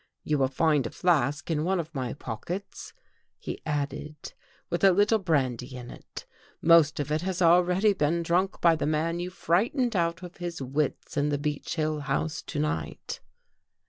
You will find a flask in one of my pockets," he added, " with a little brandy in it. Most of it has already been drunk by the man you frightened out of his wits in the Beech Hill house to night."